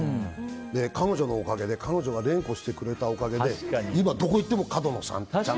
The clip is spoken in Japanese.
彼女のおかげで連呼してくれたおかげで今、どこ行ってもカドノさんって。